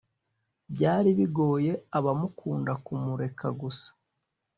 byari bigoye abamukunda kumureka gusa,